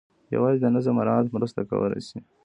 یوازې د نظم مراعات مرسته کولای شي.